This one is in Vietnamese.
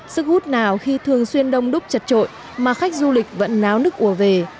sức hút nào khi thường xuyên đông đúc chặt trội mà khách du lịch vẫn náo nức ủa về